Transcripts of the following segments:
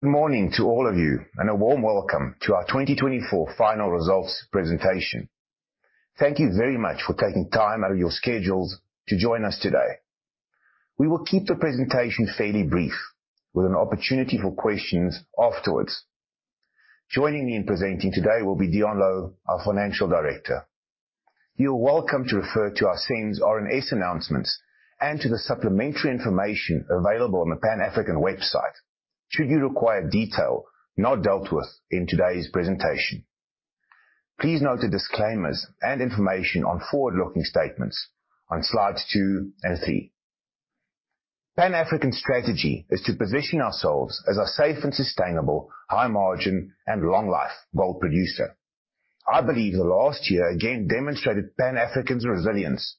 ...Good morning to all of you, and a warm welcome to our 2024 final results presentation. Thank you very much for taking time out of your schedules to join us today. We will keep the presentation fairly brief, with an opportunity for questions afterwards. Joining me in presenting today will be Deon Louw, our Financial Director. You are welcome to refer to our SENS RNS announcements, and to the supplementary information available on the Pan African website, should you require detail not dealt with in today's presentation. Please note the disclaimers and information on forward-looking statements on slides two and three. Pan African's strategy is to position ourselves as a safe and sustainable, high margin, and long life gold producer. I believe the last year, again, demonstrated Pan African's resilience,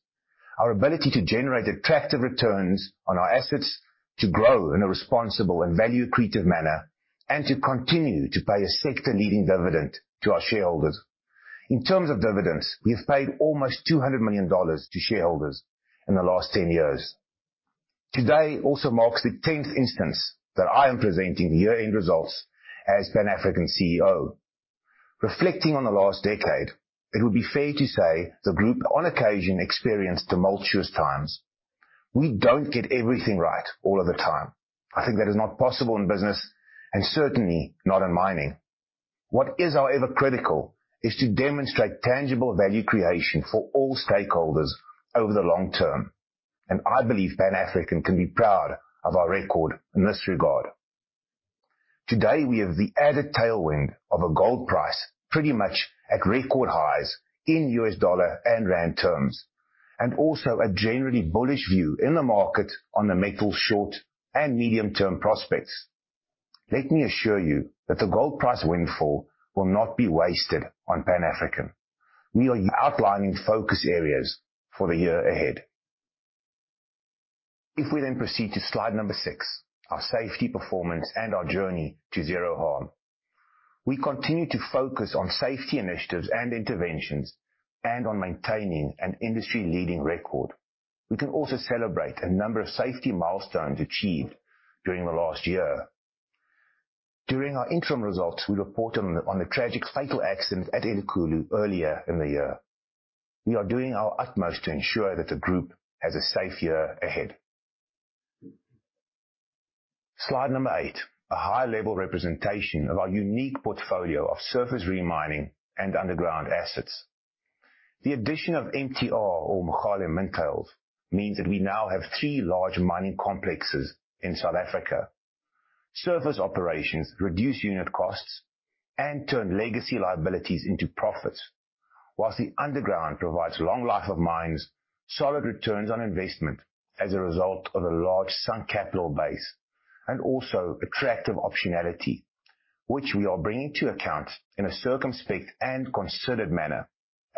our ability to generate attractive returns on our assets, to grow in a responsible and value-accretive manner, and to continue to pay a sector-leading dividend to our shareholders. In terms of dividends, we have paid almost $200 million to shareholders in the last 10 years. Today also marks the tenth instance that I am presenting the year-end results as Pan African CEO. Reflecting on the last decade, it would be fair to say the group, on occasion, experienced tumultuous times. We don't get everything right all of the time. I think that is not possible in business and certainly not in mining. What is, however, critical is to demonstrate tangible value creation for all stakeholders over the long term, and I believe Pan African can be proud of our record in this regard. Today, we have the added tailwind of a gold price, pretty much at record highs in US dollar and rand terms, and also a generally bullish view in the market on the metal's short and medium-term prospects. Let me assure you that the gold price windfall will not be wasted on Pan African. We are outlining focus areas for the year ahead. If we then proceed to slide number six, our safety, performance, and our journey to zero harm. We continue to focus on safety initiatives and interventions, and on maintaining an industry-leading record. We can also celebrate a number of safety milestones achieved during the last year. During our interim results, we reported on the tragic fatal accident at Elikhulu earlier in the year. We are doing our utmost to ensure that the group has a safe year ahead. Slide number eight, a high-level representation of our unique portfolio of surface re-mining and underground assets. The addition of MTR or Mogale Mintails means that we now have three large mining complexes in South Africa. Surface operations reduce unit costs and turn legacy liabilities into profits, while the underground provides long life of mines, solid returns on investment as a result of a large sunk capital base, and also attractive optionality, which we are bringing to account in a circumspect and concerted manner,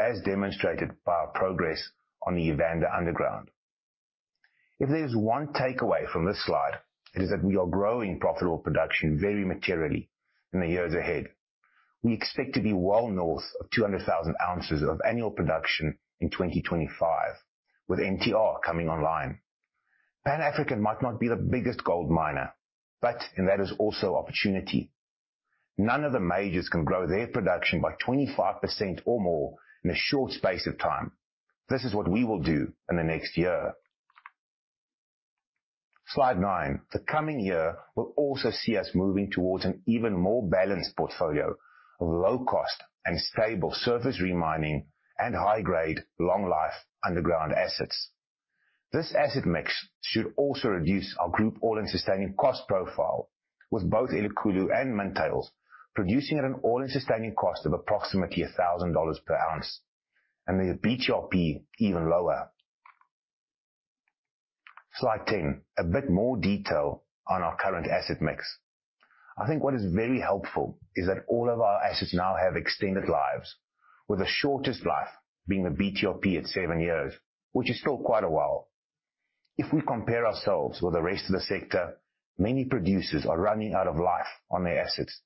as demonstrated by our progress on the Evander underground. If there's one takeaway from this slide, it is that we are growing profitable production very materially in the years ahead. We expect to be well north of two hundred thousand ounces of annual production in 2025, with MTR coming online. Pan African might not be the biggest gold miner, but and that is also opportunity. None of the majors can grow their production by 25% or more in a short space of time. This is what we will do in the next year. Slide 9. The coming year will also see us moving towards an even more balanced portfolio of low cost and stable surface re-mining and high-grade, long life underground assets. This asset mix should also reduce our group all-in sustaining cost profile, with both Elikhulu and Mintails producing at an all-in sustaining cost of approximately $1,000 per ounce, and the BTRP, even lower. Slide 10. A bit more detail on our current asset mix. I think what is very helpful is that all of our assets now have extended lives, with the shortest life being the BTRP at seven years, which is still quite a while. If we compare ourselves with the rest of the sector, many producers are running out of life on their assets,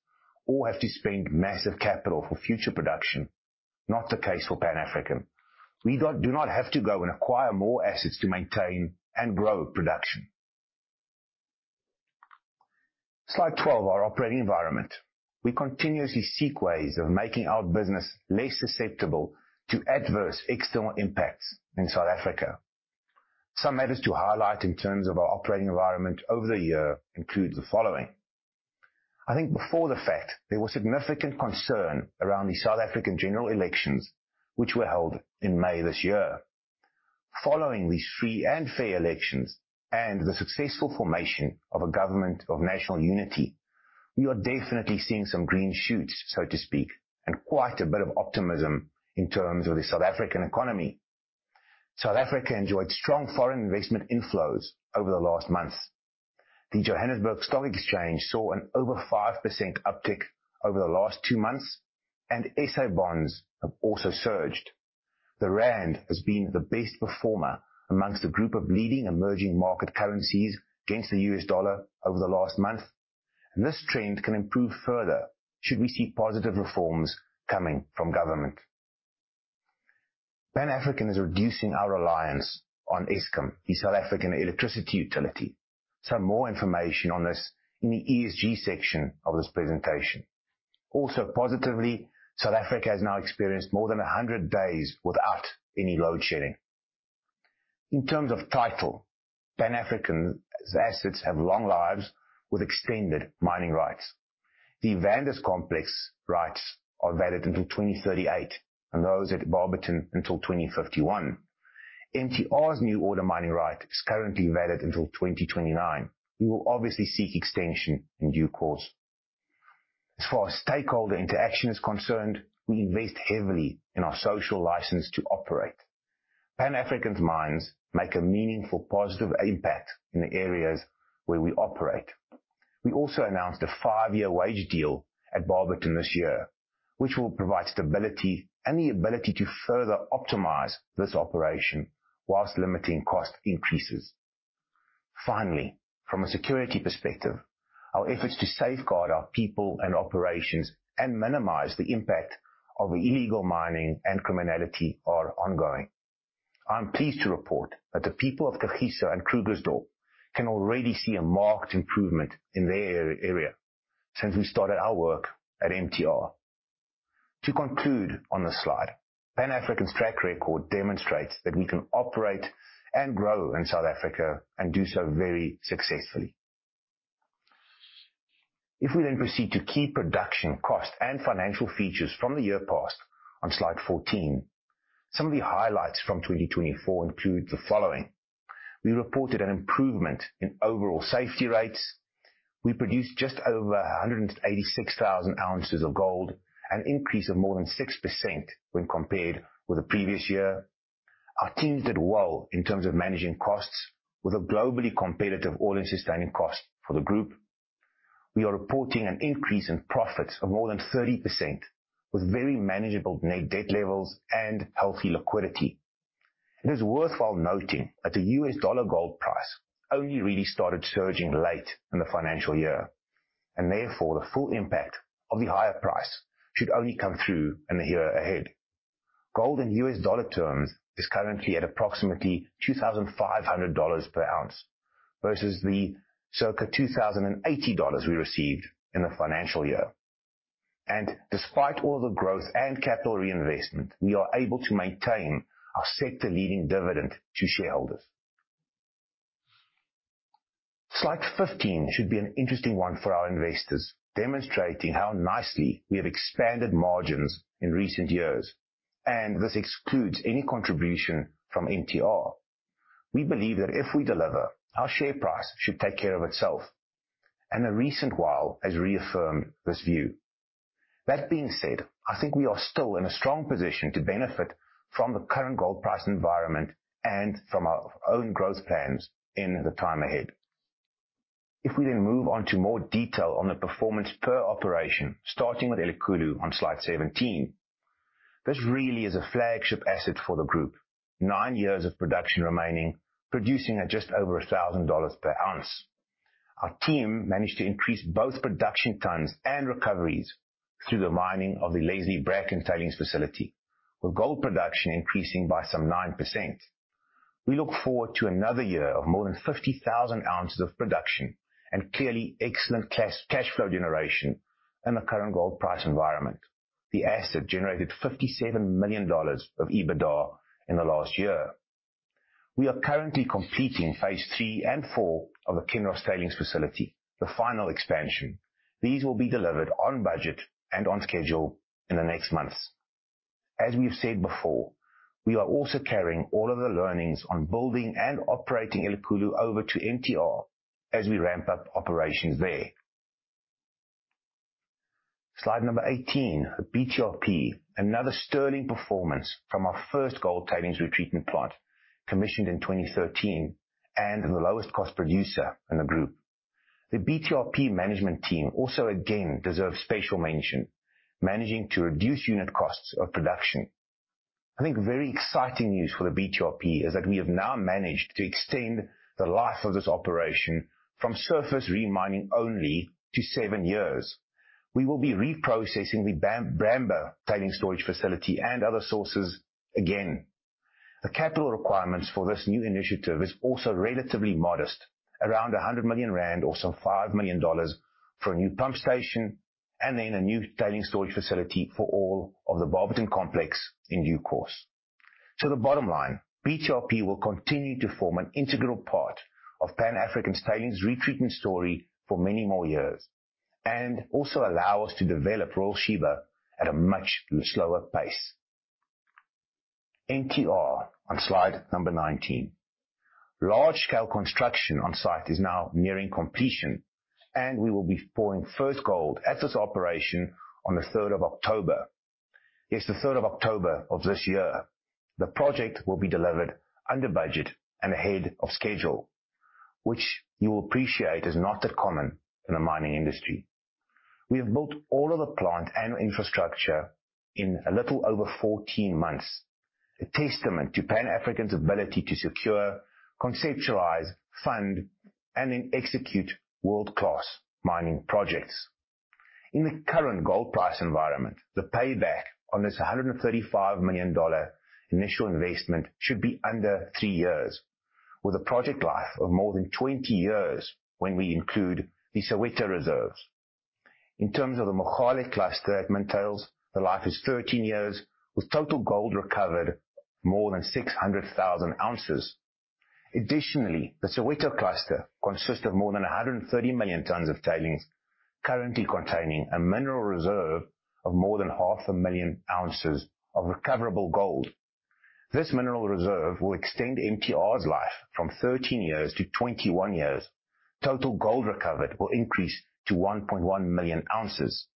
or have to spend massive capital for future production. Not the case for Pan African. We do not have to go and acquire more assets to maintain and grow production. Slide 12, our operating environment. We continuously seek ways of making our business less susceptible to adverse external impacts in South Africa. Some matters to highlight in terms of our operating environment over the year include the following: I think before the fact, there was significant concern around the South African general elections, which were held in May this year. Following these free and fair elections, and the successful formation of a government of national unity, we are definitely seeing some green shoots, so to speak, and quite a bit of optimism in terms of the South African economy. South Africa enjoyed strong foreign investment inflows over the last month. The Johannesburg Stock Exchange saw an over 5% uptick over the last two months, and SA Bonds have also surged. The rand has been the best performer amongst a group of leading emerging market currencies against the US dollar over the last month. And this trend can improve further should we see positive reforms coming from government... Pan African is reducing our reliance on Eskom, the South African electricity utility. Some more information on this in the ESG section of this presentation. Also, positively, South Africa has now experienced more than 100 days without any load shedding. In terms of title, Pan African's assets have long lives with extended mining rights. The Evander complex rights are valid until twenty thirty-eight, and those at Barberton until twenty fifty-one. MTR's new order mining right is currently valid until 2029. We will obviously seek extension in due course. As far as stakeholder interaction is concerned, we invest heavily in our social license to operate. Pan African's mines make a meaningful, positive impact in the areas where we operate. We also announced a five-year wage deal at Barberton this year, which will provide stability and the ability to further optimize this operation while limiting cost increases. Finally, from a security perspective, our efforts to safeguard our people and operations and minimize the impact of illegal mining and criminality are ongoing. I'm pleased to report that the people of Kagiso and Krugersdorp can already see a marked improvement in their area since we started our work at MTR. To conclude on this slide, Pan African's track record demonstrates that we can operate and grow in South Africa and do so very successfully. If we then proceed to key production, cost, and financial features from the year past, on slide 14, some of the highlights from 2024 include the following: We reported an improvement in overall safety rates. We produced just over 186,000 ounces of gold, an increase of more than 6% when compared with the previous year. Our teams did well in terms of managing costs, with a globally competitive all-in sustaining cost for the group. We are reporting an increase in profits of more than 30%, with very manageable net debt levels and healthy liquidity. It is worthwhile noting that the US dollar gold price only really started surging late in the financial year, and therefore, the full impact of the higher price should only come through in the year ahead. Gold in US dollar terms is currently at approximately $2,500 per ounce versus the circa $2,080 we received in the financial year. Despite all the growth and capital reinvestment, we are able to maintain our sector-leading dividend to shareholders. Slide 15 should be an interesting one for our investors, demonstrating how nicely we have expanded margins in recent years, and this excludes any contribution from MTR. We believe that if we deliver, our share price should take care of itself, and the recent while has reaffirmed this view. That being said, I think we are still in a strong position to benefit from the current gold price environment and from our own growth plans in the time ahead. If we then move on to more detail on the performance per operation, starting with Elikhulu on slide 17, this really is a flagship asset for the group. Nine years of production remaining, producing at just over $1,000 per ounce. Our team managed to increase both production times and recoveries through the mining of the Leslie Bracken Tailings facility, with gold production increasing by some 9%. We look forward to another year of more than 50,000 ounces of production and clearly excellent cash flow generation in the current gold price environment. The asset generated $57 million of EBITDA in the last year. We are currently completing phase III and IV of the Kinross Tailings Facility, the final expansion. These will be delivered on budget and on schedule in the next months. As we've said before, we are also carrying all of the learnings on building and operating Elikhulu over to MTR as we ramp up operations there. Slide number 18, BTRP, another sterling performance from our first gold tailings retreatment plant, commissioned in 2013, and the lowest cost producer in the group. The BTRP management team also again deserves special mention, managing to reduce unit costs of production. I think very exciting news for the BTRP is that we have now managed to extend the life of this operation from surface re-mining only to seven years. We will be reprocessing the Bramber Tailings Storage Facility and other sources again. The capital requirements for this new initiative is also relatively modest, around 100 million rand, or some $5 million, for a new pump station, and then a new tailings storage facility for all of the Barberton complex in due course. So the bottom line, BTRP will continue to form an integral part of Pan African's tailings retreatment story for many more years, and also allow us to develop Royal Sheba at a much slower pace. MTR, on slide number nineteen. Large-scale construction on site is now nearing completion, and we will be pouring first gold at this operation on the third of October. Yes, the third of October of this year. The project will be delivered under budget and ahead of schedule, which you will appreciate is not that common in the mining industry. We have built all of the plant and infrastructure in a little over 14 months, a testament to Pan African's ability to secure, conceptualize, fund, and then execute world-class mining projects. In the current gold price environment, the payback on this $135 million initial investment should be under 3 years, with a project life of more than 20 years when we include the Soweto reserves. In terms of the Mogale cluster at Mintails, the life is 13 years, with total gold recovered more than 600,000 ounces. Additionally, the Soweto cluster consists of more than 130 million tons of tailings, currently containing a mineral reserve of more than 500,000 ounces of recoverable gold. This mineral reserve will extend MTR's life from 13 years to 21 years. Total gold recovered will increase to 1.1 million ounces.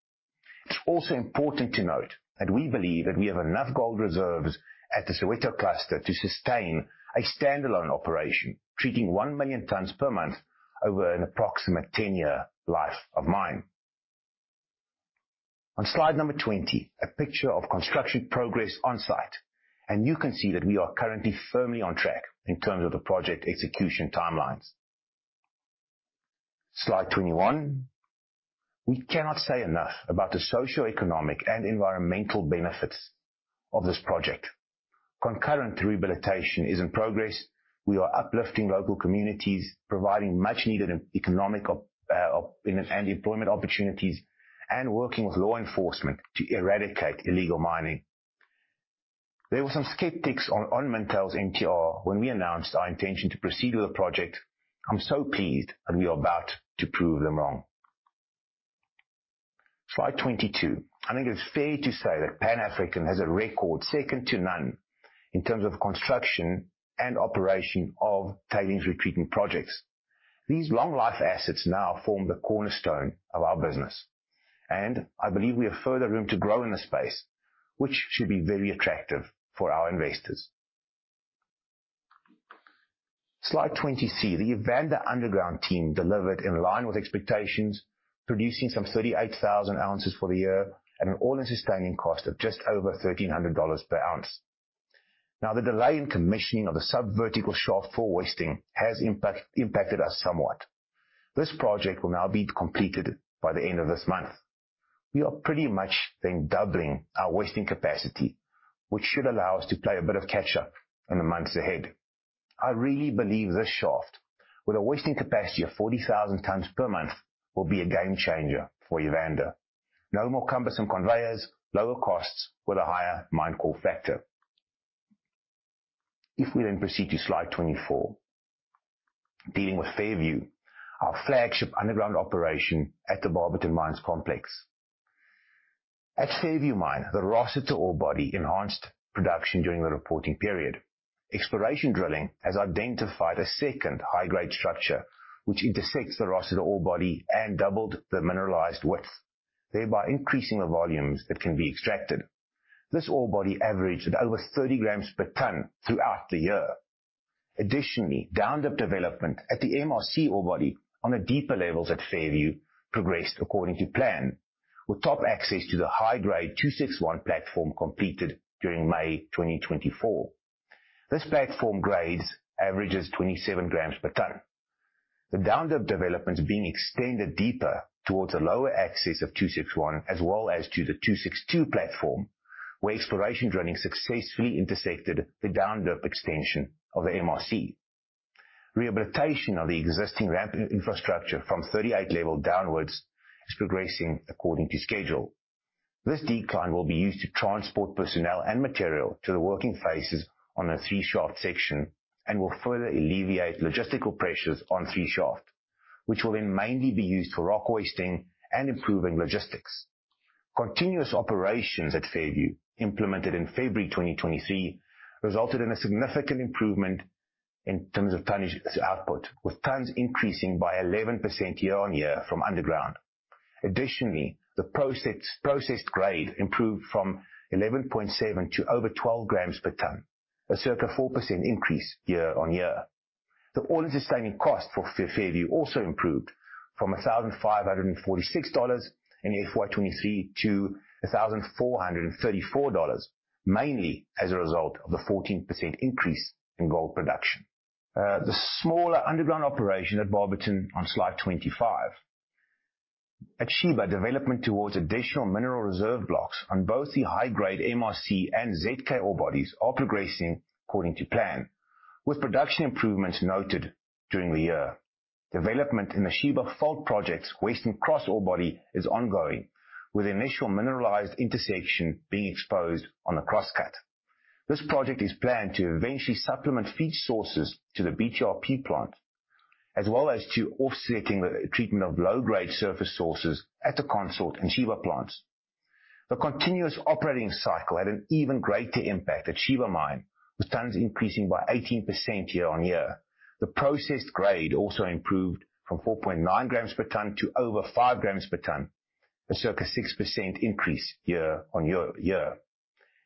It's also important to note that we believe that we have enough gold reserves at the Soweto Cluster to sustain a standalone operation, treating one million tons per month over an approximate ten-year life of mine. On slide number twenty, a picture of construction progress on site, and you can see that we are currently firmly on track in terms of the project execution timelines. Slide twenty-one. We cannot say enough about the socioeconomic and environmental benefits of this project. Concurrent rehabilitation is in progress. We are uplifting local communities, providing much needed economic and employment opportunities, and working with law enforcement to eradicate illegal mining. There were some skeptics on Mintails' MTR when we announced our intention to proceed with the project. I'm so pleased that we are about to prove them wrong. Slide twenty-two. I think it's fair to say that Pan African has a record second to none in terms of construction and operation of tailings retreatment projects. These long life assets now form the cornerstone of our business, and I believe we have further room to grow in this space, which should be very attractive for our investors. Slide 23. The Evander underground team delivered in line with expectations, producing some thirty-eight thousand ounces for the year at an all-in sustaining cost of just over $1,300 per ounce. Now, the delay in commissioning of the sub-vertical shaft for hoisting has impact, impacted us somewhat. This project will now be completed by the end of this month. We are pretty much then doubling our hoisting capacity, which should allow us to play a bit of catch-up in the months ahead. I really believe this shaft, with a hoisting capacity of 40,000 tons per month, will be a game changer for Evander. No more cumbersome conveyors, lower costs with a higher mine call factor. If we then proceed to slide 24, dealing with Fairview, our flagship underground operation at the Barberton Mines Complex. At Fairview Mine, the Rossiter ore body enhanced production during the reporting period. Exploration drilling has identified a second high-grade structure, which intersects the Rossiter ore body and doubled the mineralized width, thereby increasing the volumes that can be extracted. This ore body averaged at over 30 grams per ton throughout the year. Additionally, down dip development at the MMR ore body on the deeper levels at Fairview progressed according to plan, with top access to the high-grade 261 platform completed during May 2024. This platform grade averages 27 grams per ton. The down-dip development is being extended deeper towards the lower axis of 261, as well as to the 262 platform, where exploration drilling successfully intersected the down-dip extension of the MRC. Rehabilitation of the existing ramp infrastructure from 38 level downwards is progressing according to schedule. This decline will be used to transport personnel and material to the working phases on a 3-shaft section, and will further alleviate logistical pressures on 3 shaft, which will then mainly be used for rock hoisting and improving logistics. Continuous operations at Fairview, implemented in February 2023, resulted in a significant improvement in terms of tonnage output, with tons increasing by 11% year-on-year from underground. Additionally, the processed grade improved from 11.7 to over 12 grams per ton, a circa 4% increase year-on-year. The all-in sustaining cost for Fairview also improved from $1,546 in FY 2023 to $1,434, mainly as a result of the 14% increase in gold production. The smaller underground operation at Barberton on slide 25. At Sheba, development towards additional mineral reserve blocks on both the high-grade MRC and ZK ore bodies are progressing according to plan, with production improvements noted during the year. Development in the Sheba Fault Project's western cross ore body is ongoing, with initial mineralized intersection being exposed on the crosscut. This project is planned to eventually supplement feed sources to the BTRP plant, as well as to offsetting the treatment of low-grade surface sources at the Consort and Sheba plants. The continuous operating cycle had an even greater impact at Sheba Mine, with tons increasing by 18% year-on-year. The processed grade also improved from 4.9 grams per ton to over 5 grams per ton, a circa 6% increase year on year.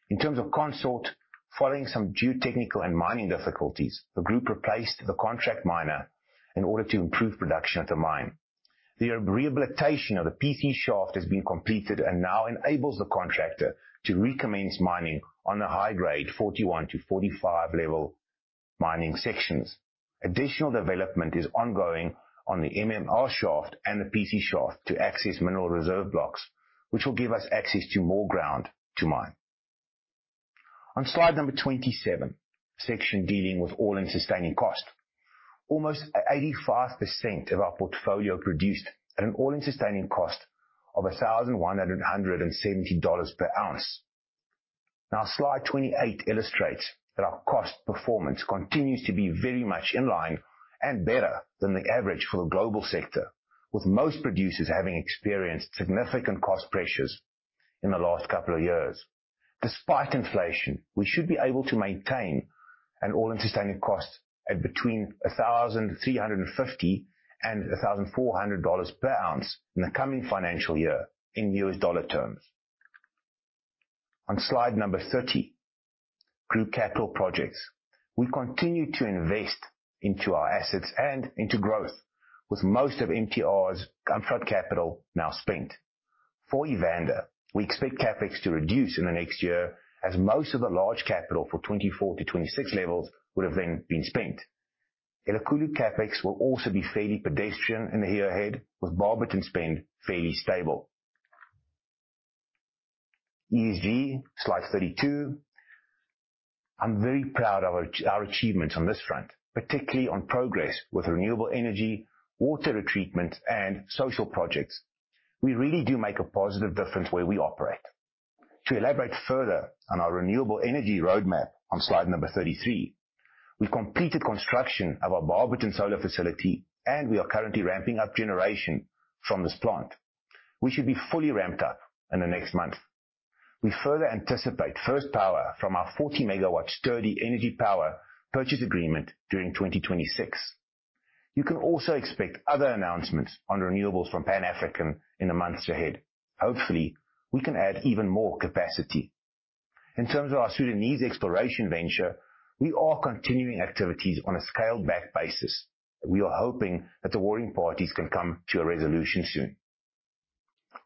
In terms of Consort, following some geotechnical and mining difficulties, the group replaced the contract miner in order to improve production at the mine. The rehabilitation of the PC Shaft has been completed and now enables the contractor to recommence mining on a high-grade 41- to 45-level mining sections. Additional development is ongoing on the MMR Shaft and the PC Shaft to access mineral reserve blocks, which will give us access to more ground to mine. On slide number 27, section dealing with all-in sustaining cost. Almost 85% of our portfolio produced at an all-in sustaining cost of $1,170 per ounce. Now, slide 28 illustrates that our cost performance continues to be very much in line and better than the average for the global sector, with most producers having experienced significant cost pressures in the last couple of years. Despite inflation, we should be able to maintain an all-in sustaining cost at between $1,350 and $1,400 per ounce in the coming financial year, in US dollar terms. On slide number 30, group capital projects. We continue to invest into our assets and into growth, with most of MTR's upfront capital now spent. For Evander, we expect CapEx to reduce in the next year, as most of the large capital for 24 to 26 levels would have then been spent. Elikhulu CapEx will also be fairly pedestrian in the year ahead, with Barberton spend fairly stable. ESG, slide 32. I'm very proud of our achievements on this front, particularly on progress with renewable energy, water treatment, and social projects. We really do make a positive difference where we operate. To elaborate further on our renewable energy roadmap on slide number 33, we've completed construction of our Barberton Solar Facility, and we are currently ramping up generation from this plant, which should be fully ramped up in the next month. We further anticipate first power from our 40-megawatt Sturdee Energy power purchase agreement during 2026. You can also expect other announcements on renewables from Pan African in the months ahead. Hopefully, we can add even more capacity. In terms of our Sudanese exploration venture, we are continuing activities on a scaled-back basis. We are hoping that the warring parties can come to a resolution soon.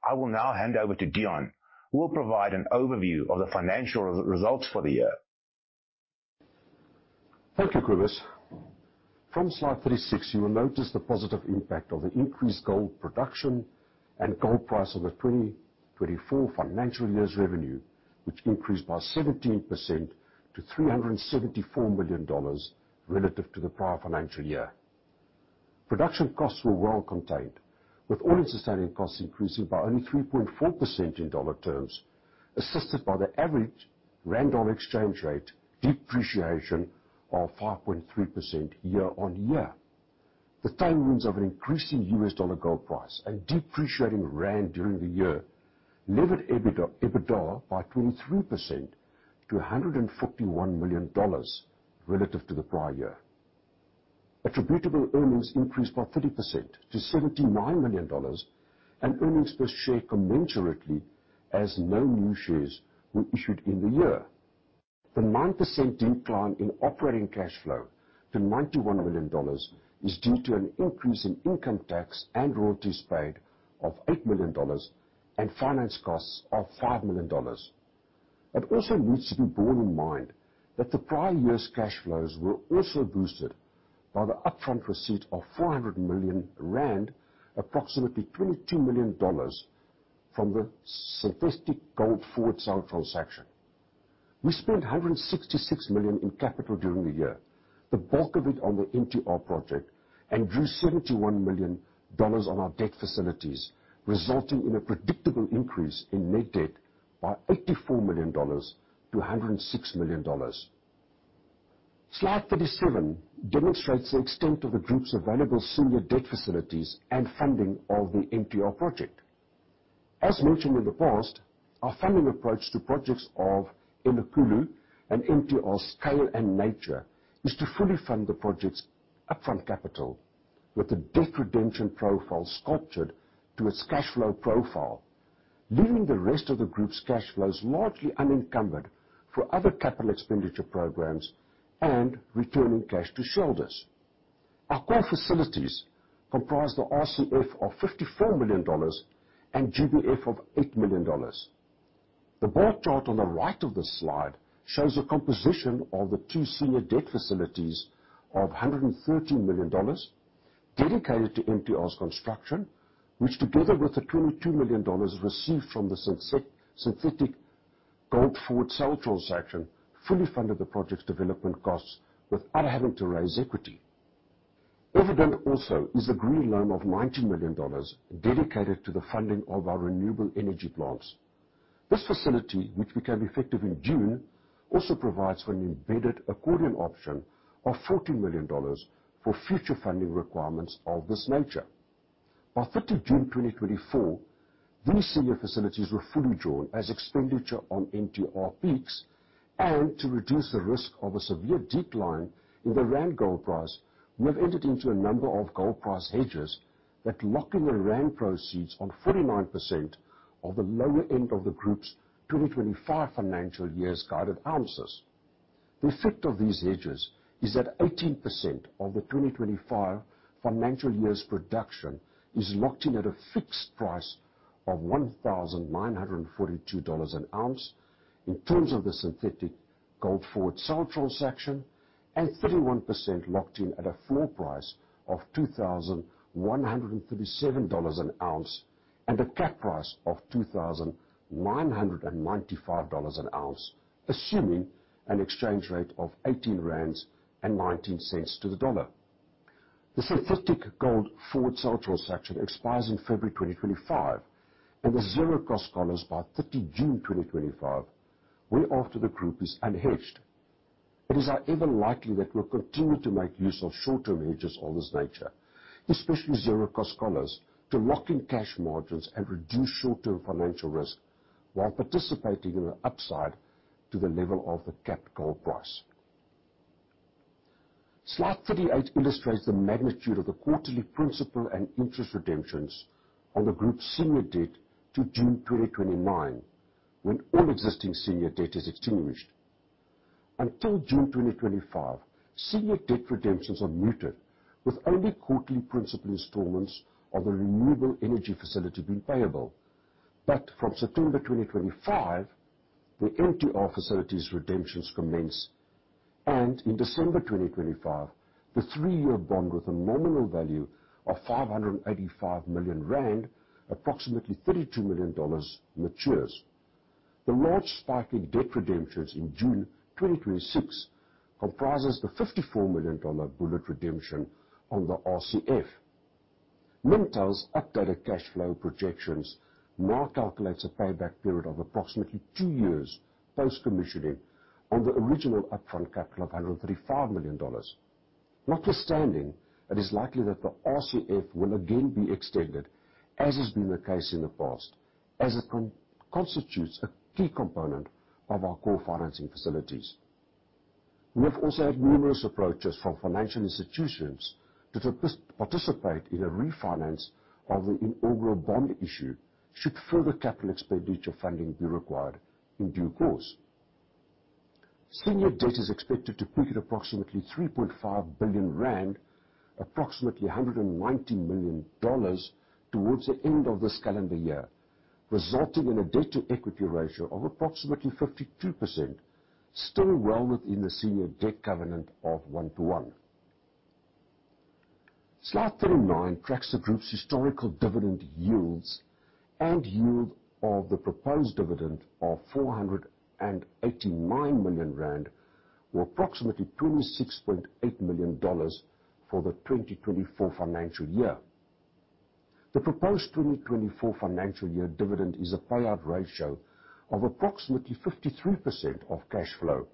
I will now hand over to Deon, who will provide an overview of the financial results for the year. Thank you, Cobus. From slide 36, you will notice the positive impact of the increased gold production and gold price on the 2024 financial year's revenue, which increased by 17% to $374 million relative to the prior financial year. Production costs were well contained, with all-in sustaining costs increasing by only 3.4% in dollar terms, assisted by the average rand dollar exchange rate depreciation of 5.3% year on year. The tailwinds of an increasing US dollar gold price and depreciating rand during the year levered EBITDA by 23% to $141 million relative to the prior year. Attributable earnings increased by 30% to $79 million, and earnings per share commensurately, as no new shares were issued in the year. The 9% decline in operating cash flow to $91 million is due to an increase in income tax and royalties paid of $8 million, and finance costs of $5 million. It also needs to be borne in mind that the prior year's cash flows were also boosted by the upfront receipt of 400 million rand, approximately $22 million from the synthetic gold forward sale transaction. We spent $166 million in capital during the year, the bulk of it on the MTR project, and drew $71 million on our debt facilities, resulting in a predictable increase in net debt by $84 million to $106 million. Slide 37 demonstrates the extent of the group's available senior debt facilities and funding of the MTR project. As mentioned in the past, our funding approach to projects of Elikhulu and MTR scale and nature is to fully fund the project's upfront capital with a debt redemption profile sculpted to its cash flow profile, leaving the rest of the group's cash flows largely unencumbered for other capital expenditure programs and returning cash to shareholders. Our core facilities comprise the RCF of $54 million and GBF of $8 million. The bar chart on the right of this slide shows a composition of the two senior debt facilities of $113 million, dedicated to MTR's construction, which, together with the $22 million received from the synthetic gold forward sale transaction, fully funded the project's development costs without having to raise equity. Evident also is a green loan of $19 million dedicated to the funding of our renewable energy plants. This facility, which became effective in June, also provides for an embedded accordion option of $40 million for future funding requirements of this nature. By thirty June 2024, these senior facilities were fully drawn as expenditure on MTR peaks, and to reduce the risk of a severe decline in the rand gold price, we have entered into a number of gold price hedges that lock in the rand proceeds on 49% of the lower end of the group's 2025 financial year's guided ounces. The effect of these hedges is that 18% of the 2025 financial year's production is locked in at a fixed price of... of $1,942 an ounce in terms of the synthetic gold forward sale transaction, and 31% locked in at a floor price of $2,137 an ounce, and a cap price of $2,995 an ounce, assuming an exchange rate of 18 rands and 19 cents to the dollar. The synthetic gold forward sale transaction expires in February 2025, and the zero-cost collars by 30 June 2025, whereafter the group is unhedged. It is, however, likely that we'll continue to make use of short-term hedges of this nature, especially zero-cost collars, to lock in cash margins and reduce short-term financial risk, while participating in the upside to the level of the capped gold price. Slide 38 illustrates the magnitude of the quarterly principal and interest redemptions on the group's senior debt to June 2029, when all existing senior debt is extinguished. Until June 2025, senior debt redemptions are muted, with only quarterly principal installments of the renewable energy facility being payable. But from September 2025, the MTR facility's redemptions commence, and in December 2025, the three-year bond with a nominal value of 585 million rand, approximately $32 million, matures. The large spike in debt redemptions in June 2026 comprises the $54 million bullet redemption on the RCF. Mintails' updated cash flow projections now calculates a payback period of approximately two years post-commissioning on the original upfront capital of $135 million. Notwithstanding, it is likely that the RCF will again be extended, as has been the case in the past, as it constitutes a key component of our core financing facilities. We have also had numerous approaches from financial institutions to participate in a refinance of the inaugural bond issue, should further capital expenditure funding be required in due course. Senior debt is expected to peak at approximately 3.5 billion rand, approximately $190 million, towards the end of this calendar year, resulting in a debt-to-equity ratio of approximately 52%, still well within the senior debt covenant of one to one. Slide 39 tracks the group's historical dividend yields and yield of the proposed dividend of 489 million rand, or approximately $26.8 million, for the 2024 financial year. The proposed 2024 financial year dividend is a payout ratio of approximately 53% of cash flow,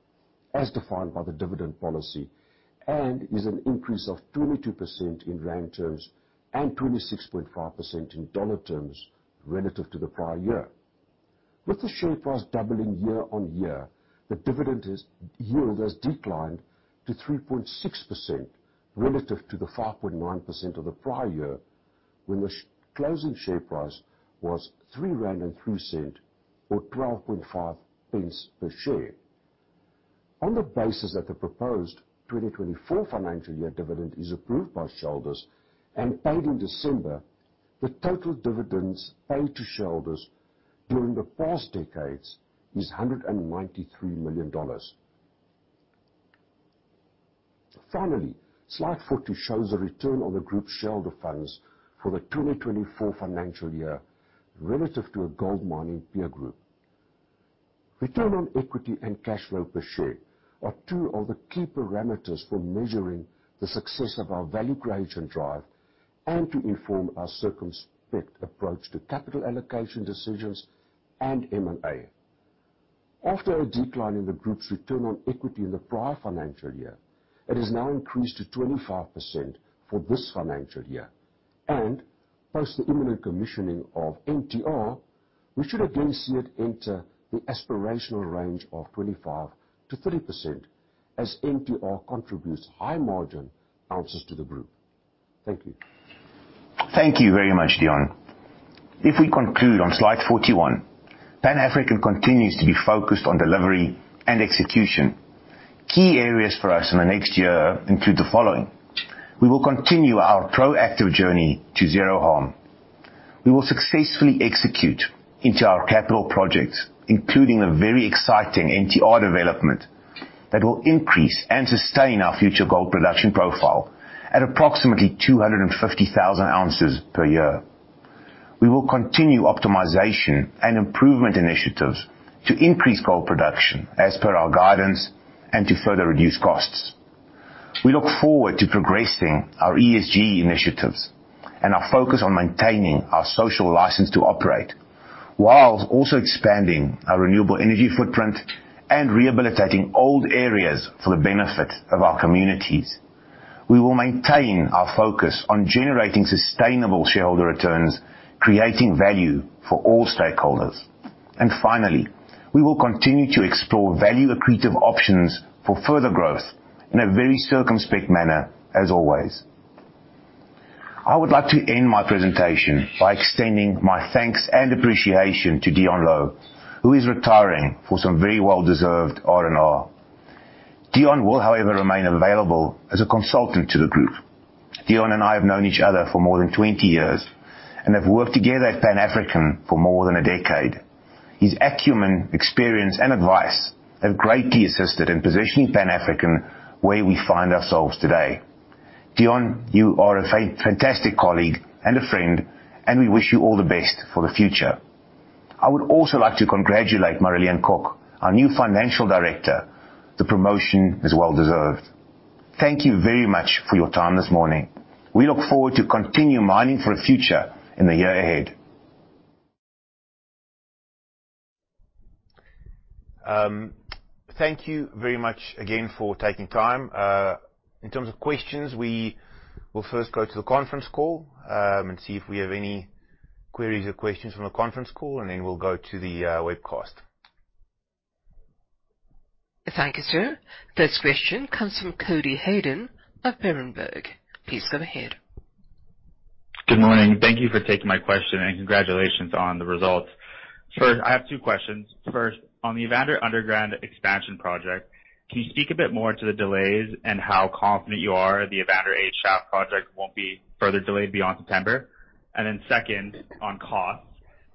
as defined by the dividend policy, and is an increase of 22% in rand terms and 26.5% in dollar terms relative to the prior year. With the share price doubling year on year, the dividend yield has declined to 3.6% relative to the 5.9% of the prior year, when the share closing share price was 3.03 rand, or £0.125 per share. On the basis that the proposed 2024 financial year dividend is approved by shareholders and paid in December, the total dividends paid to shareholders during the past decades is $193 million. Finally, slide 40 shows the return on the group's shareholder funds for the 2024 financial year relative to a gold mining peer group. Return on equity and cash flow per share are two of the key parameters for measuring the success of our value creation drive and to inform our circumspect approach to capital allocation decisions and M&A. After a decline in the group's return on equity in the prior financial year, it has now increased to 25% for this financial year, and post the imminent commissioning of MTR, we should again see it enter the aspirational range of 25%-30%, as MTR contributes high margin ounces to the group. Thank you. Thank you very much, Deon. If we conclude on slide 41, Pan African continues to be focused on delivery and execution. Key areas for us in the next year include the following: We will continue our proactive journey to zero harm. We will successfully execute into our capital projects, including a very exciting MTR development, that will increase and sustain our future gold production profile at approximately 250,000 ounces per year. We will continue optimization and improvement initiatives to increase gold production as per our guidance and to further reduce costs. We look forward to progressing our ESG initiatives and our focus on maintaining our social license to operate, while also expanding our renewable energy footprint and rehabilitating old areas for the benefit of our communities. We will maintain our focus on generating sustainable shareholder returns, creating value for all stakeholders. And finally, we will continue to explore value accretive options for further growth in a very circumspect manner, as always. I would like to end my presentation by extending my thanks and appreciation to Deon Louw, who is retiring for some very well-deserved R&R. Deon will, however, remain available as a consultant to the group. Deon and I have known each other for more than twenty years, and have worked together at Pan African for more than a decade. His acumen, experience, and advice have greatly assisted in positioning Pan African where we find ourselves today. Deon, you are a fantastic colleague and a friend, and we wish you all the best for the future. I would also like to congratulate Marileen Kok, our new Financial Director. The promotion is well deserved. Thank you very much for your time this morning. We look forward to continue mining for a future in the year ahead. Thank you very much again for taking time. In terms of questions, we will first go to the conference call, and see if we have any queries or questions from the conference call, and then we'll go to the webcast. Thank you, sir. First question comes from Cody Hayden of Berenberg. Please go ahead. Good morning. Thank you for taking my question, and congratulations on the results. First, I have two questions. First, on the Evander underground expansion project, can you speak a bit more to the delays and how confident you are the Evander 8 Shaft project won't be further delayed beyond September? And then second, on costs,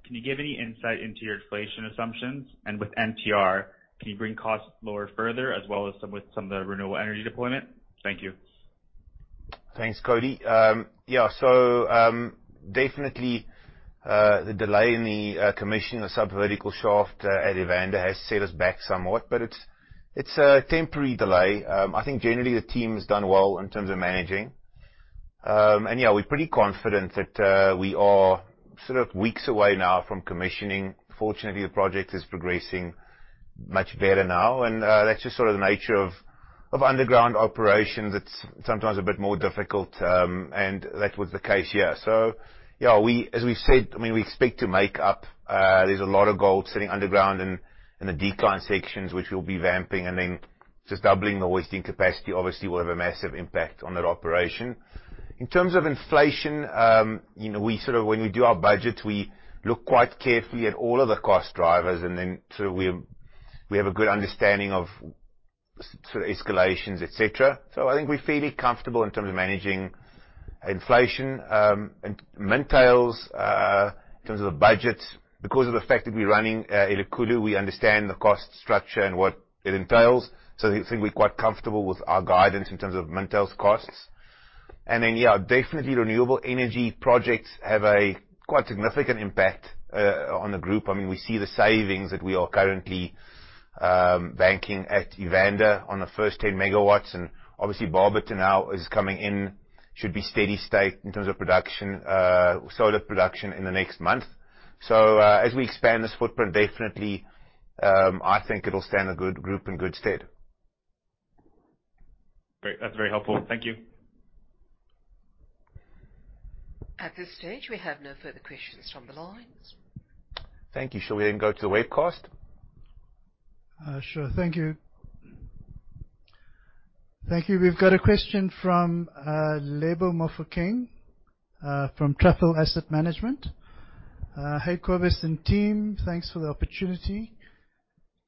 can you give any insight into your inflation assumptions? And with MTR, can you bring costs lower further, as well as with some of the renewable energy deployment? Thank you. Thanks, Cody. Yeah, so, definitely, the delay in the commission of sub-vertical shaft at Evander has set us back somewhat, but it's a temporary delay. I think generally the team has done well in terms of managing. And, yeah, we're pretty confident that we are sort of weeks away now from commissioning. Fortunately, the project is progressing much better now, and that's just sort of the nature of underground operations. It's sometimes a bit more difficult, and that was the case here. So yeah, we, as we've said, I mean, we expect to make up. There's a lot of gold sitting underground in the decline sections, which we'll be vamping, and then just doubling the hoisting capacity obviously will have a massive impact on that operation. In terms of inflation, you know, we sort of when we do our budget, we look quite carefully at all of the cost drivers, and then so we, we have a good understanding of sort of escalations, et cetera. So I think we're fairly comfortable in terms of managing inflation. And Mintails, in terms of the budget, because of the fact that we're running Elikhulu, we understand the cost structure and what it entails, so I think we're quite comfortable with our guidance in terms of Mintails costs. And then, yeah, definitely renewable energy projects have a quite significant impact on the group. I mean, we see the savings that we are currently banking at Evander on the first 10 megawatts, and obviously Barberton now is coming in, should be steady state in terms of production, solar production in the next month. So, as we expand this footprint, definitely, I think it'll stand a good group in good stead. Great. That's very helpful. Thank you. At this stage, we have no further questions from the lines. Thank you. Shall we then go to the webcast? Sure. Thank you. Thank you. We've got a question from Lebo Mofokeng from Truffle Asset Management. Hi, Cobus and team. Thanks for the opportunity.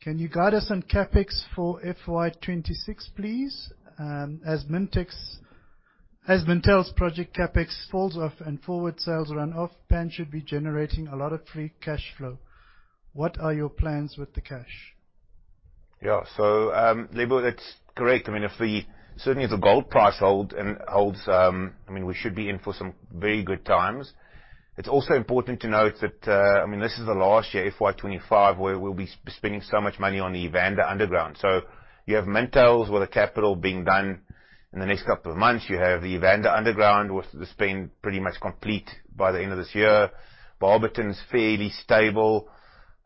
Can you guide us on CapEx for FY twenty-six, please? As Mintails's project CapEx falls off and forward sales run off, Pan should be generating a lot of free cash flow. What are your plans with the cash? Yeah. So, Lebo, that's correct. I mean, if the, certainly if the gold price hold and holds, I mean, we should be in for some very good times. It's also important to note that, I mean, this is the last year, FY twenty-five, where we'll be spending so much money on the Evander underground. So you have Mintails, with the capital being done in the next couple of months. You have the Evander underground, with the spend pretty much complete by the end of this year. Barberton's fairly stable.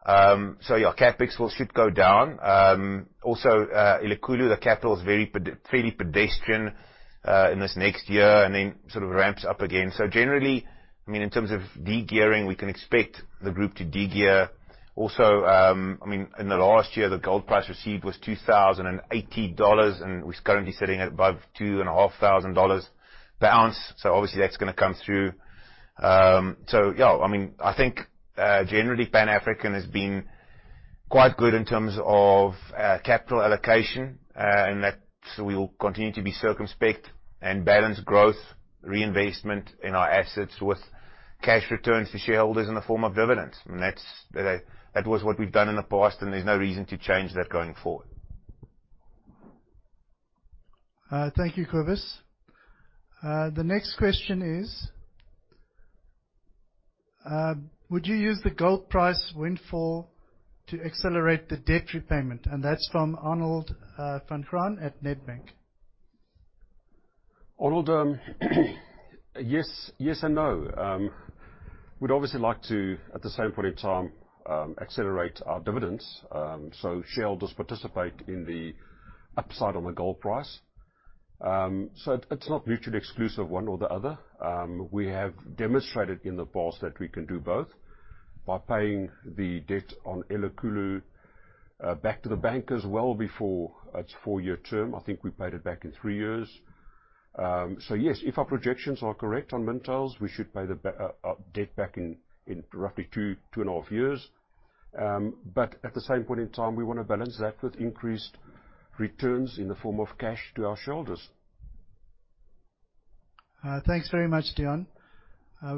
So, yeah, CapEx will, should go down. Also, Elikhulu, the capital is very ped- fairly pedestrian, in this next year, and then sort of ramps up again. So generally, I mean, in terms of de-gearing, we can expect the group to de-gear. Also, I mean, in the last year, the gold price received was $2,080, and it was currently sitting at above $2,500 per ounce, so obviously that's gonna come through. So yeah, I mean, I think, generally, Pan African has been quite good in terms of, capital allocation, and that we will continue to be circumspect and balance growth, reinvestment in our assets with cash returns to shareholders in the form of dividends. And that's what we've done in the past, and there's no reason to change that going forward. Thank you, Cobus. The next question is: Would you use the gold price windfall to accelerate the debt repayment? And that's from Arnold van Graan at Nedbank. Arnold, yes, yes and no. We'd obviously like to, at the same point in time, accelerate our dividends, so shareholders participate in the upside on the gold price. So it, it's not mutually exclusive, one or the other. We have demonstrated in the past that we can do both by paying the debt on Elikhulu back to the bankers well before its four-year term. I think we paid it back in three years. So yes, if our projections are correct on Mintails, we should pay our debt back in roughly two, two and a half years. But at the same point in time, we wanna balance that with increased returns in the form of cash to our shareholders. Thanks very much, Deon.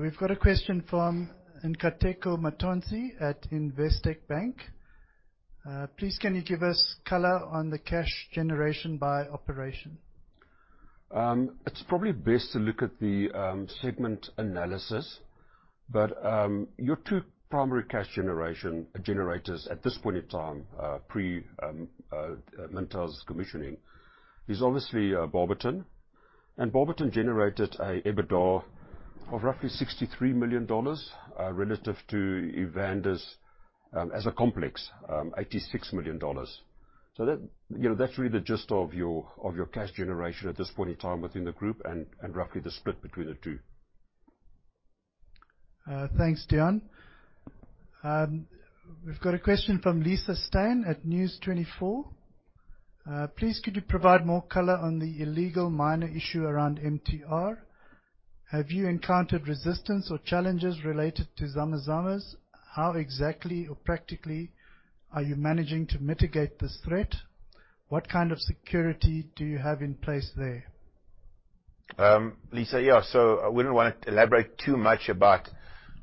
We've got a question from Nkateko Mathonsi at Investec Bank. Please, can you give us color on the cash generation by operation? It's probably best to look at the segment analysis, but your two primary cash generators at this point in time pre Mintails' commissioning is obviously Barberton. And Barberton generated an EBITDA of roughly $63 million relative to Evander's as a complex $86 million. So that you know that's really the gist of your cash generation at this point in time within the group and roughly the split between the two. Thanks, Deon. We've got a question from Lisa Steyn at News24. Please, could you provide more color on the illegal miner issue around MTR? Have you encountered resistance or challenges related to zama zamas? How exactly or practically are you managing to mitigate this threat? What kind of security do you have in place there? Lisa, yeah, so I wouldn't wanna elaborate too much about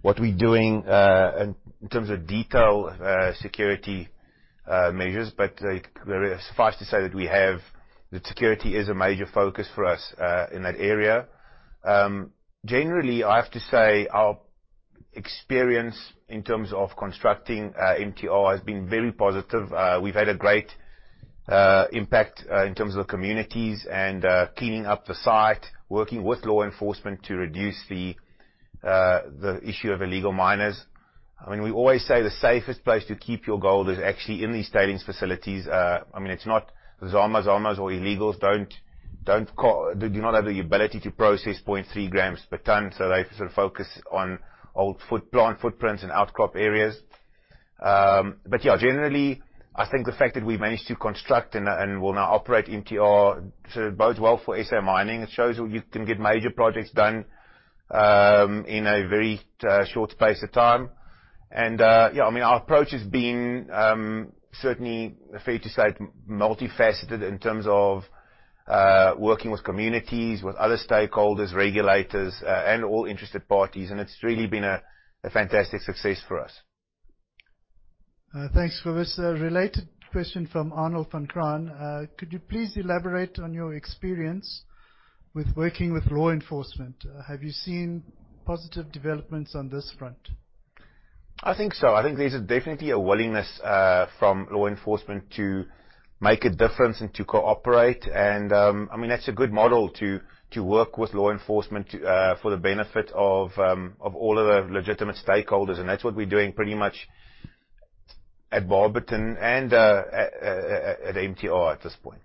what we're doing in terms of detailed security measures, but suffice to say that security is a major focus for us in that area. Generally, I have to say, our experience in terms of constructing MTR has been very positive. We've had a great impact in terms of the communities and cleaning up the site, working with law enforcement to reduce the issue of illegal miners. I mean, we always say the safest place to keep your gold is actually in these tailings facilities. I mean, it's not zama zamas or illegals do not have the ability to process point three grams per ton, so they sort of focus on old foot plant footprints and outcrop areas. But yeah, generally, I think the fact that we managed to construct and will now operate MTR sort of bodes well for SA mining. It shows you can get major projects done in a very short space of time. Yeah, I mean, our approach has been certainly fair to say multifaceted in terms of working with communities, with other stakeholders, regulators, and all interested parties, and it's really been a fantastic success for us. Thanks, Cobus. A related question from Arnold van Graan: Could you please elaborate on your experience with working with law enforcement? Have you seen positive developments on this front? I think so. I think there's definitely a willingness from law enforcement to make a difference and to cooperate. And, I mean, that's a good model to work with law enforcement for the benefit of all of the legitimate stakeholders, and that's what we're doing pretty much at Barberton and at MTR at this point.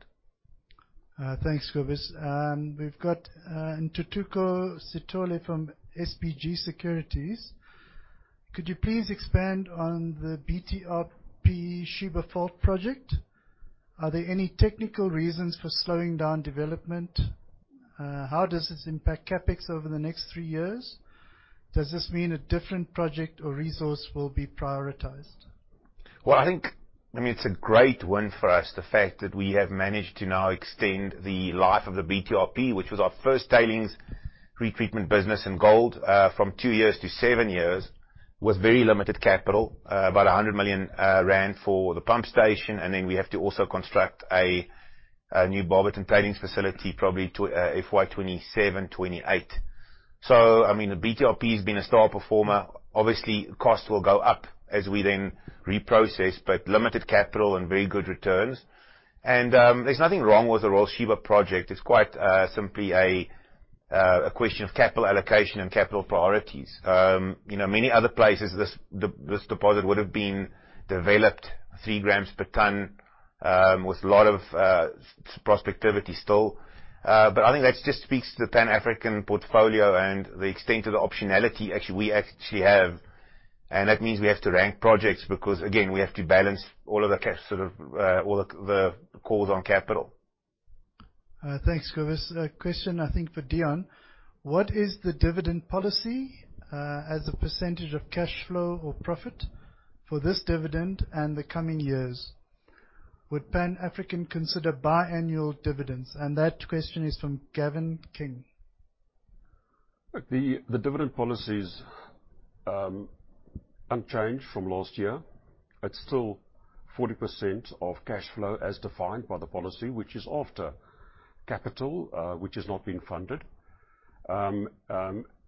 Thanks, Cobus. We've got Ntuthuko Sithole from SBG Securities. Could you please expand on the BTRP Sheba Fault Project? Are there any technical reasons for slowing down development? How does this impact CapEx over the next three years? Does this mean a different project or resource will be prioritized? I think, I mean, it's a great win for us, the fact that we have managed to now extend the life of the BTRP, which was our first tailings retreatment business in gold, from two years to seven years, with very limited capital, about a hundred million rand for the pump station. And then we have to also construct a new Barberton tailings facility, probably to FY 2027-2028. So, I mean, the BTRP has been a star performer. Obviously, costs will go up as we then reprocess, but limited capital and very good returns. And, there's nothing wrong with the Royal Sheba project. It's quite simply a question of capital allocation and capital priorities. You know, many other places, this deposit would have been developed three grams per ton, with a lot of prospectivity still. But I think that just speaks to the Pan African portfolio and the extent of the optionality actually, we actually have. That means we have to rank projects, because, again, we have to balance all of the cash, sort of, all the calls on capital. Thanks, Cobus. A question, I think, for Deon: What is the dividend policy, as a percentage of cash flow or profit for this dividend and the coming years? Would Pan African consider biannual dividends? And that question is from Gavin King. The dividend policy is unchanged from last year. It's still 40% of cash flow as defined by the policy, which is after capital which has not been funded.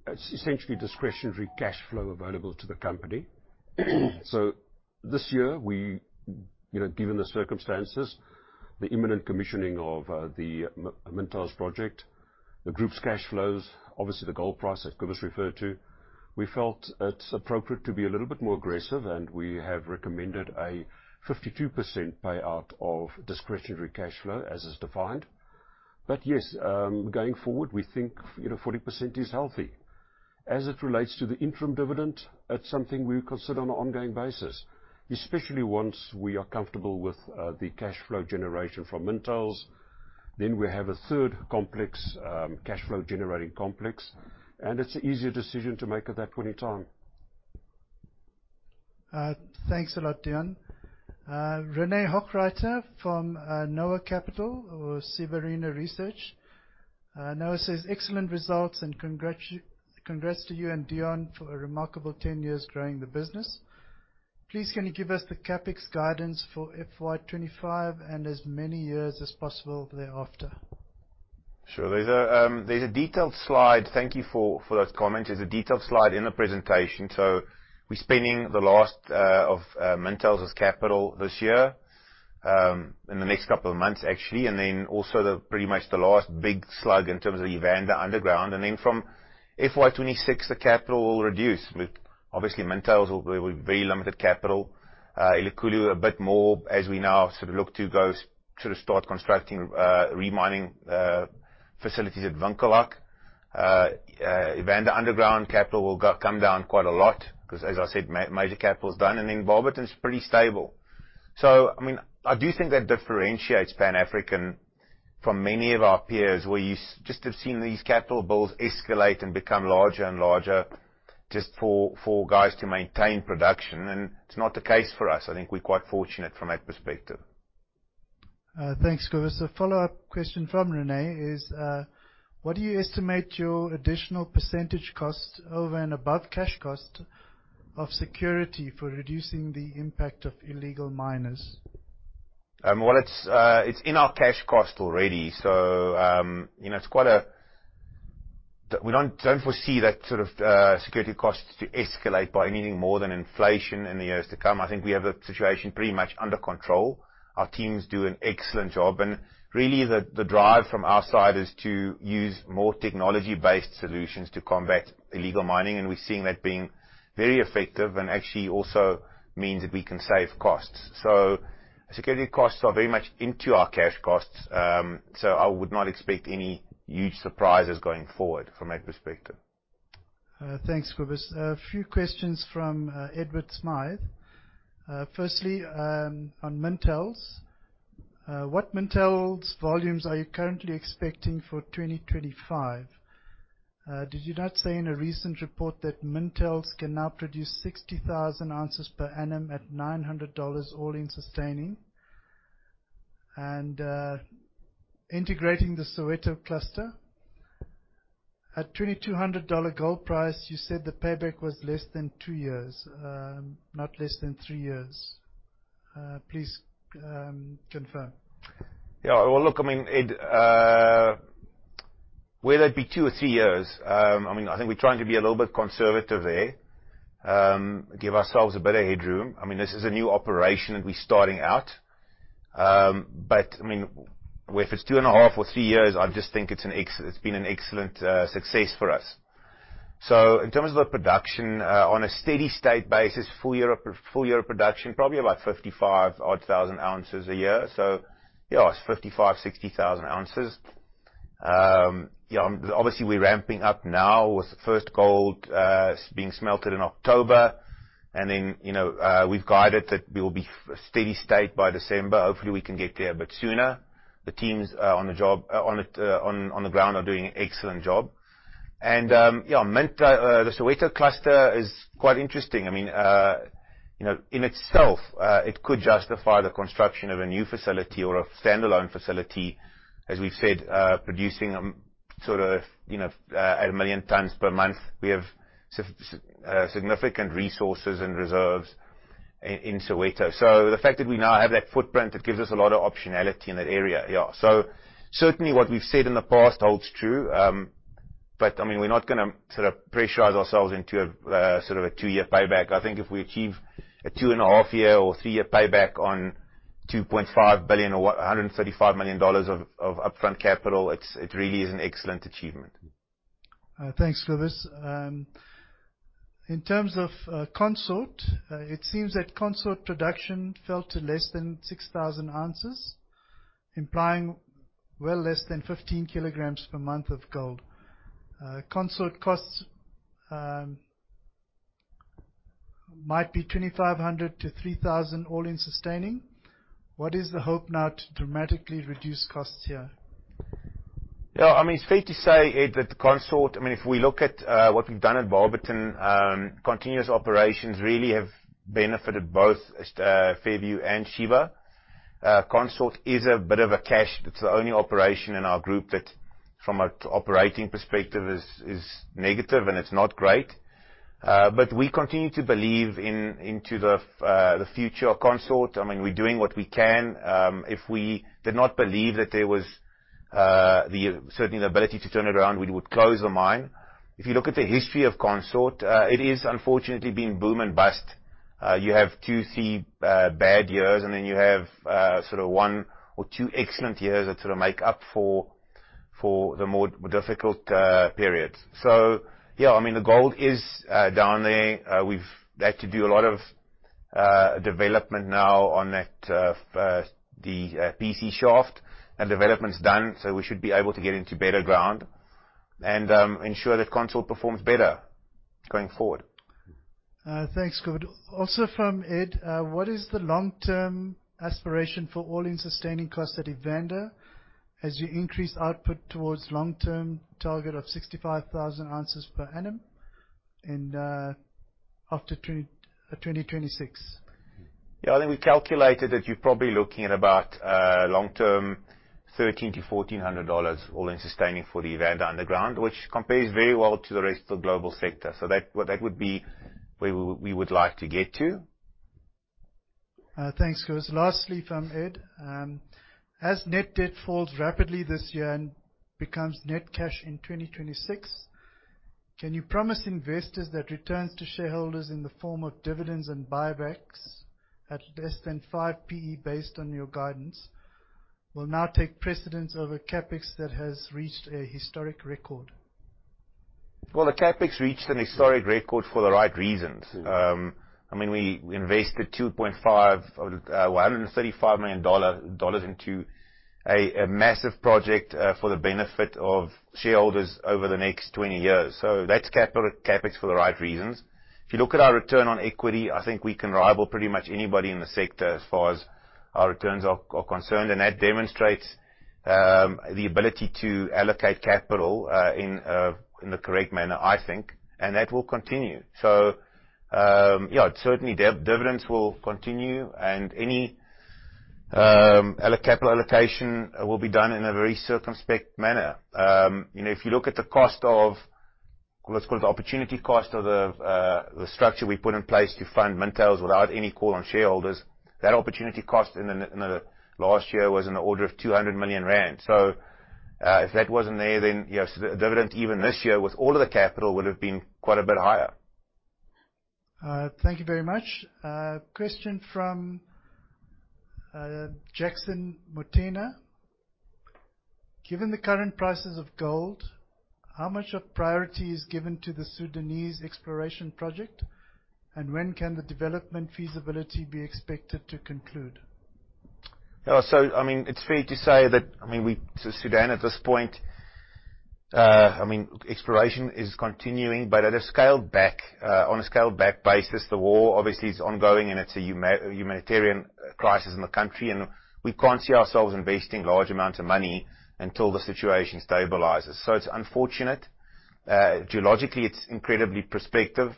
It's essentially discretionary cash flow available to the company. So this year, you know, given the circumstances, the imminent commissioning of the Mintails project, the group's cash flows, obviously, the gold price, as Cobus referred to, we felt it's appropriate to be a little bit more aggressive, and we have recommended a 52% payout of discretionary cash flow as is defined. But yes, going forward, we think, you know, 40% is healthy as it relates to the interim dividend, that's something we consider on an ongoing basis, especially once we are comfortable with the cash flow generation from Mintails. Then we have a third complex, cashflow-generating complex, and it's an easier decision to make at that point in time. Thanks a lot, Deon. René Hochreiter from Noah Capital or Sieberana Research. Noah says, "Excellent results, and congrats to you and Deon for a remarkable ten years growing the business. Please, can you give us the CapEx guidance for FY 2025 and as many years as possible thereafter? Sure. There's a detailed slide. Thank you for that comment. There's a detailed slide in the presentation. So we're spending the last of Mintails' capital this year in the next couple of months, actually, and then also pretty much the last big slug in terms of Evander Underground. And then from FY 2026, the capital will reduce. With obviously, Mintails will be very limited capital. Elikhulu, a bit more as we now sort of look to go, sort of start constructing re-mining facilities at Winkelhaag. Evander Underground capital will come down quite a lot, 'cause as I said, major capital is done, and then Barberton is pretty stable. So, I mean, I do think that differentiates Pan African from many of our peers, where you just have seen these capital bills escalate and become larger and larger just for guys to maintain production, and it's not the case for us. I think we're quite fortunate from that perspective. Thanks, Cobus. A follow-up question from René is: What do you estimate your additional percentage cost over and above cash cost of security for reducing the impact of illegal miners? Well, it's in our cash cost already, so, you know, it's quite a-- We don't foresee that sort of security costs to escalate by anything more than inflation in the years to come. I think we have the situation pretty much under control. Our teams do an excellent job, and really, the drive from our side is to use more technology-based solutions to combat illegal mining, and we're seeing that being very effective and actually also means that we can save costs. So security costs are very much into our cash costs, so I would not expect any huge surprises going forward from that perspective. Thanks, Cobus. A few questions from Edward Smythe. Firstly, on Mintails. What Mintails volumes are you currently expecting for 2025? Did you not say in a recent report that Mintails can now produce 60,000 ounces per annum at $900 all-in sustaining? And integrating the Soweto Cluster. At $2,200 gold price, you said the payback was less than 2 years, not less than 3 years. Please confirm. Yeah, well, look, I mean, Ed, whether it be two or three years, I mean, I think we're trying to be a little bit conservative there. Give ourselves a better headroom. I mean, this is a new operation, and we're starting out. But, I mean, if it's two and a half or three years, I just think it's an excellent success for us. So in terms of the production, on a steady state basis, full year of production, probably about 55,000-odd ounces a year. So yeah, it's 55-60 thousand ounces. Yeah, obviously, we're ramping up now, with the first gold being smelted in October, and then, you know, we've guided that we will be steady state by December. Hopefully, we can get there a bit sooner. The teams on the job, on it, on the ground are doing an excellent job. Yeah, Mintails, the Soweto Cluster is quite interesting. I mean, you know, in itself, it could justify the construction of a new facility or a standalone facility, as we've said, producing sort of, you know, a million tons per month. We have significant resources and reserves in Soweto. So the fact that we now have that footprint, it gives us a lot of optionality in that area. Yeah. So certainly, what we've said in the past holds true, but I mean, we're not gonna sort of pressurize ourselves into a sort of a two-year payback. I think if we achieve a two-and-a-half-year or three-year payback on $2.5 billion or $135 million of upfront capital, it really is an excellent achievement. Thanks, Cobus. In terms of Consort, it seems that Consort production fell to less than 6,000 ounces, implying well less than 15 kilograms per month of gold. Consort costs might be $2,500-$3,000, all-in sustaining. What is the hope now to dramatically reduce costs here? Yeah, I mean, it's fair to say, Ed, that Consort - I mean, if we look at what we've done at Barberton, continuous operations really have benefited both Fairview and Sheba. Consort is a bit of a cash. It's the only operation in our group that, from an operating perspective, is negative, and it's not great, but we continue to believe in the future of Consort. I mean, we're doing what we can. If we did not believe that there was certainly the ability to turn it around, we would close the mine. If you look at the history of Consort, it is unfortunately been boom and bust. You have two, three bad years, and then you have sort of one or two excellent years that sort of make up for the more difficult periods. So, yeah, I mean, the gold is down there. We've had to do a lot of development now on that, the PC Shaft and development's done, so we should be able to get into better ground and ensure that Consort performs better going forward. Thanks, good. Also from Ed: What is the long-term aspiration for all-in sustaining cost at Evander as you increase output towards long-term target of 65,000 ounces per annum, and after 2026? Yeah, I think we calculated that you're probably looking at about long-term $1,300-$1,400 all-in sustaining for the Evander underground, which compares very well to the rest of the global sector. So that, well, that would be where we would like to get to. Thanks, Cobus. Lastly from Ed: As net debt falls rapidly this year and becomes net cash in 2026, can you promise investors that returns to shareholders in the form of dividends and buybacks at less than five PE, based on your guidance, will now take precedence over CapEx that has reached a historic record? The CapEx reached an historic record for the right reasons. I mean, we invested $135 million into a massive project for the benefit of shareholders over the next 20 years. That's capital CapEx for the right reasons. If you look at our return on equity, I think we can rival pretty much anybody in the sector as far as our returns are concerned. And that demonstrates the ability to allocate capital in the correct manner, I think, and that will continue. Yeah, certainly dividends will continue, and any capital allocation will be done in a very circumspect manner. You know, if you look at the cost of... What's called the opportunity cost of the structure we put in place to fund Mintails without any call on shareholders, that opportunity cost in the last year was in the order of 200 million rand. So, if that wasn't there, then, yes, the dividend, even this year, with all of the capital, would have been quite a bit higher. Thank you very much. Question from Jackson Motena: Given the current prices of gold, how much of priority is given to the Sudanese exploration project, and when can the development feasibility be expected to conclude? Yeah, so, I mean, it's fair to say that, I mean, we so Sudan at this point, I mean, exploration is continuing, but at a scaled back, on a scaled-back basis. The war obviously is ongoing, and it's a humanitarian crisis in the couMTRy, and we can't see ourselves investing large amounts of money until the situation stabilizes. So it's unfortunate. Geologically, it's incredibly prospective.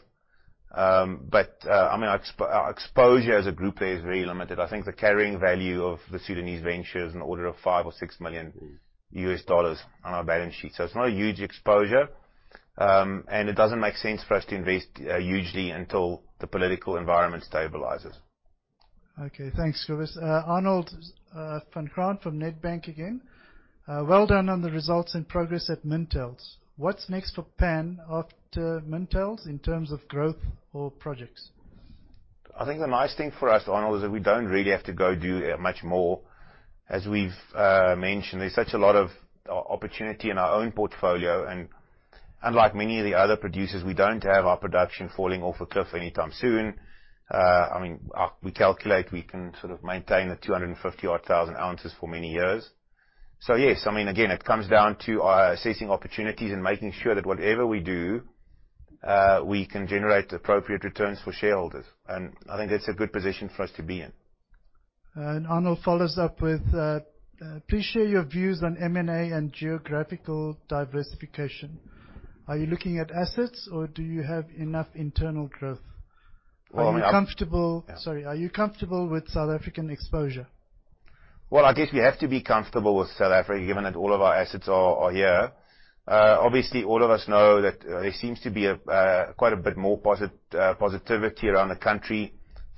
But, I mean, our exposure as a group there is very limited. I think the carrying value of the Sudanese venture is an order of five or six million USD on our balance sheet, so it's not a huge exposure. And it doesn't make sense for us to invest, hugely until the political environment stabilizes. Okay, thanks, Cobus. Arnold, van Graan from Nedbank again. Well done on the results and progress at Mintails. What's next for Pan after Mintails in terms of growth or projects? I think the nice thing for us, Arnold, is that we don't really have to go do much more. As we've mentioned, there's such a lot of opportunity in our own portfolio, and unlike many of the other producers, we don't have our production falling off a cliff anytime soon. I mean, we calculate we can sort of maintain the two hundred and fifty odd thousand ounces for many years. So, yes, I mean, again, it comes down to assessing opportunities and making sure that whatever we do, we can generate appropriate returns for shareholders, and I think that's a good position for us to be in. And Arnold follows up with: Please share your views on M&A and geographical diversification. Are you looking at assets, or do you have enough internal growth? Well, I- Are you comfortable... Sorry, are you comfortable with South African exposure? I guess we have to be comfortable with South Africa, given that all of our assets are here. Obviously, all of us know that there seems to be quite a bit more positivity around the country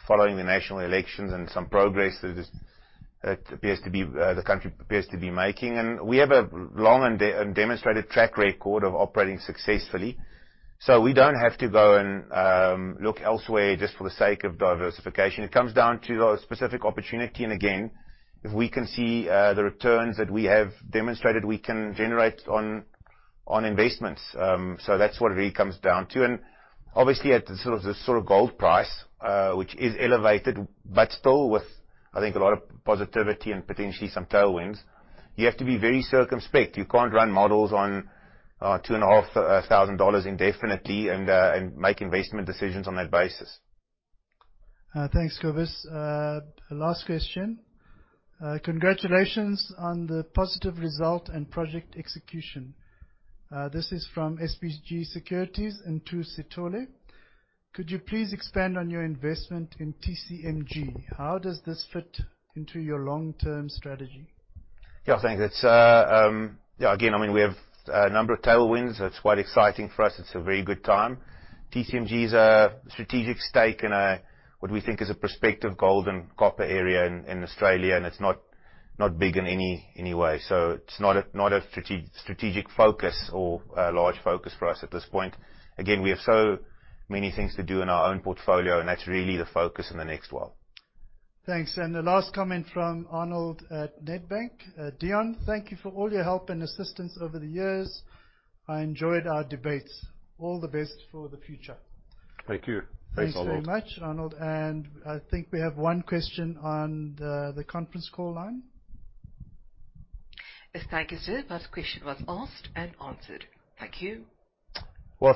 following the national elections and some progress that the country appears to be making. And we have a long and demonstrated track record of operating successfully, so we don't have to go and look elsewhere just for the sake of diversification. It comes down to a specific opportunity, and again, if we can see the returns that we have demonstrated, we can generate on investments. So that's what it really comes down to. Obviously, at this sort of gold price, which is elevated, but still with, I think, a lot of positivity and potentially some tailwinds, you have to be very circumspect. You can't run models on $2,500 indefinitely and make investment decisions on that basis. Thanks, Cobus. Last question: Congratulations on the positive result and project execution. This is from SBG Securities, Ntuthuko Sithole. Could you please expand on your investment in TCMG? How does this fit into your long-term strategy? Yeah, thanks. Yeah, again, I mean, we have a number of tailwinds. It's quite exciting for us. It's a very good time. TCMG is a strategic stake in a, what we think is a prospective gold and copper area in Australia, and it's not big in any way. So it's not a strategic focus or a large focus for us at this point. Again, we have so many things to do in our own portfolio, and that's really the focus in the next while. Thanks. And the last comment from Arnold at Nedbank. Deon, thank you for all your help and assistance over the years. I enjoyed our debates. All the best for the future. Thank you. Thanks, Arnold. Thanks very much, Arnold. And I think we have one question on the conference call line. Yes, thank you, sir. Last question was asked and answered. Thank you.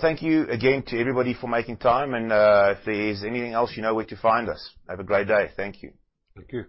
Thank you again to everybody for making time, and, if there is anything else, you know where to find us. Have a great day. Thank you. Thank you.